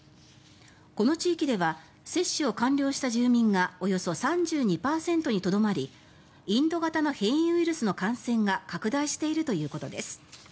この地域では接種を完了した住民がおよそ３２％にとどまりインド型の変異ウイルスの感染が拡大しているということです。